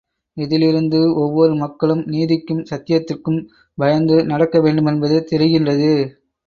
இதிலிருந்து ஒவ்வொரு மக்களும் நீதிக்கும் சத்தியத்திற்கும் பயந்து நடக்க வேண்டுமென்பது தெரிகின்றது.